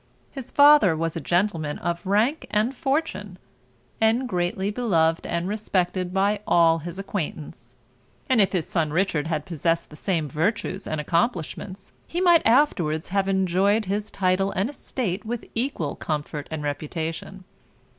His father was a gentleman of rank and fortune, and greatly beloved and respected by all his acquaintance; and if his son Richard had possessed the same virtues and accomplishments, he might afterwards have enjoyed his title and estate with equal comfort and reputation.